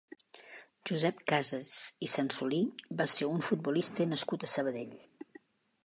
Josep Casas i Sansolí va ser un futbolista nascut a Sabadell.